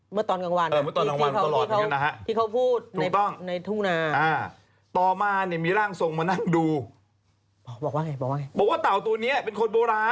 เมื่อตอนกลางวันในทุนา